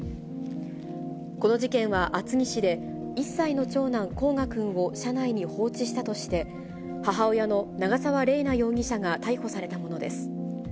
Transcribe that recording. この事件は、厚木市で、１歳の長男、煌翔くんを車内に放置したとして、母親の長沢麗奈容疑者が逮捕されたものです。